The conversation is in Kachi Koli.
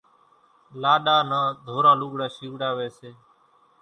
لاڏا نان ڌوران لوُڳڙان شيوڙاويَ سي۔